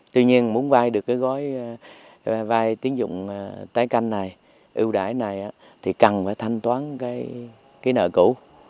tuy nhiên muốn vay được cái gói vai tín dụng tái canh này ưu đãi này thì cần phải thanh toán cái nợ cũ